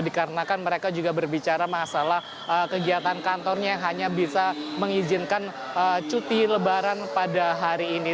dikarenakan mereka juga berbicara masalah kegiatan kantornya yang hanya bisa mengizinkan cuti lebaran pada hari ini